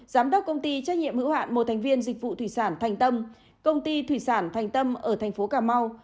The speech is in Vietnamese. giám đốc công ty trách nhiệm hữu hạn một thành viên dịch vụ thủy sản thành tâm công ty thủy sản thành tâm ở thành phố cà mau